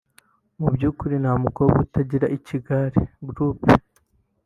Mu byukuri nta mukobwa utagira ikigare (group)